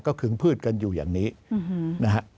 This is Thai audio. ก็ขึงพืชกันอยู่อย่างนี้นะฮะ